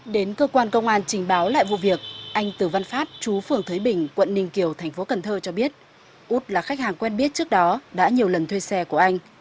đến cơ quan công an trình báo lại vụ việc anh từ văn phát chú phường thới bình quận ninh kiều thành phố cần thơ cho biết út là khách hàng quen biết trước đó đã nhiều lần thuê xe của anh